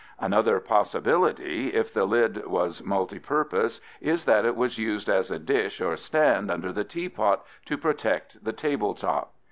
Another possibility, if the lid was multipurpose, is that it was used as a dish or stand under the teapot to protect the table top.